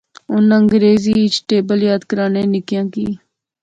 ہن انگریزی اچ ٹیبل یاد کرانے نکیاں کی